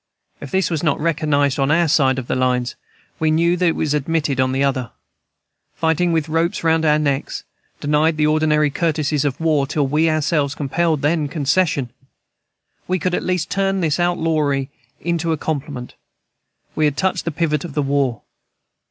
If this was not recognized on our side of the lines, we knew that it was admitted on the other. Fighting with ropes round our necks, denied the ordinary courtesies of war till we ourselves compelled then: concession, we could at least turn this outlawry into a compliment. We had touched the pivot of the war.